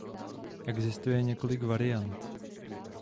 Existuje několik variant.